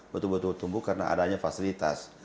betul betul tumbuh karena adanya fasilitas